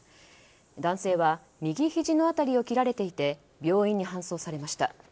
男性は右ひじの辺りを切られていて病院に搬送されました。